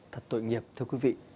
thật tội nghiệp thưa quý vị